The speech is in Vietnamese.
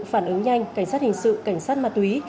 phản ứng nhanh cảnh sát hình sự cảnh sát ma túy